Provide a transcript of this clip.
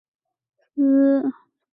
达讷马里。